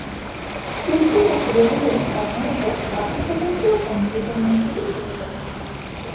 কৃত্রিম উপগ্রহগুলি সাধারণত আধা-স্বতন্ত্র কম্পিউটার-নিয়ন্ত্রিত সিস্টেম।